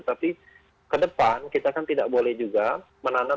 tapi ke depan kita kan tidak boleh juga menanam